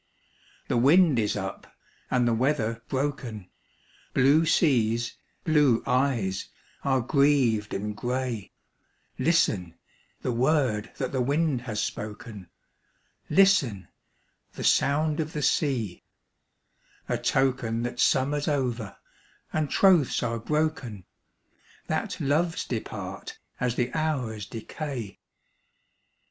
The wind is up, and the weather broken, Blue seas, blue eyes, are grieved and grey, Listen, the word that the wind has spoken, Listen, the sound of the sea,—a token That summer's over, and troths are broken,— That loves depart as the hours decay.